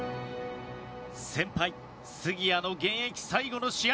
先輩杉谷の現役最後の試合。